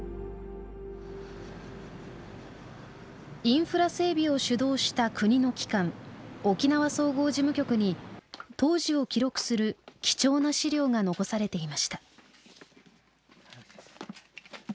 インフラ整備を主導した国の機関沖縄総合事務局に当時を記録する貴重な資料が残されていました。